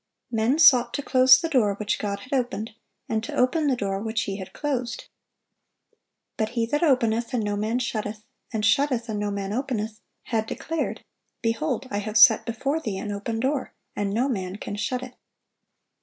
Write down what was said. Men sought to close the door which God had opened, and to open the door which He had closed. But "He that openeth, and no man shutteth; and shutteth, and no man openeth," had declared, "Behold, I have set before thee an open door, and no man can shut it."